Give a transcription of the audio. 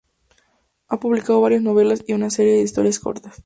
Ha publicado varias novelas y una serie de historias cortas.